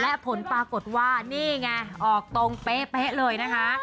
และผลปรากฏว่านี่ไงออกตรงเป๊ะเลยนะคะ